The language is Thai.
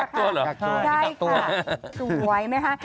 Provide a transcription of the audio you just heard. ต้องกักตัวเหรอต้องกักตัวค่ะนี่กักตัวใช่ค่ะสวยนะคะ